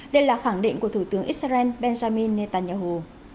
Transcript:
đây là khẳng định của thủ tướng israel benjamin netanyahu